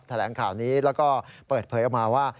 แถลงข่าวนี้แล้วก็เปิดเผยออกมาว่า